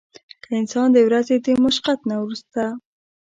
کۀ انسان د ورځې د مشقت نه وروستو